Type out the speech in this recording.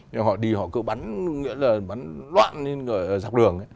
nhưng họ đi họ cứ bắn bắn loạn giọt đường